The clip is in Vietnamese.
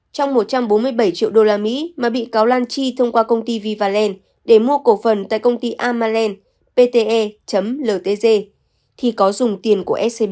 trong một trăm bốn mươi bảy triệu usd mà bị cáo lan chi thông qua công ty vivalent để mua cổ phần tại công ty amalen thì có dùng tiền của scb